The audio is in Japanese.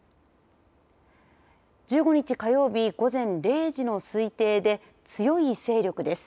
１５日火曜日午前０時の推定で強い勢力です。